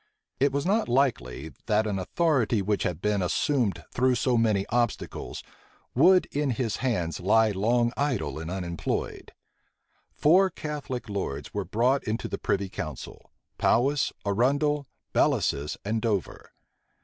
It was not likely, that an authority which had been assumed through so many obstacles, would in his hands lie long idle and unemployed. Four Catholic lords were brought into the privy council, Powis, Arundel, Bellasis, and Dover.